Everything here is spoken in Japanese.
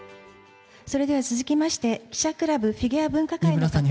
それでは続きまして、記者クラブフィギュア分科会の。